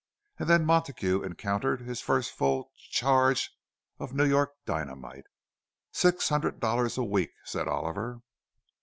And then Montague encountered his first full charge of New York dynamite. "Six hundred dollars a week," said Oliver.